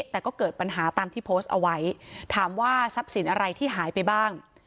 แต่ก็เกิดปัญหาตามที่โพสต์เอาไว้ถามว่าทรัพย์สินอะไรที่หายไปบ้าง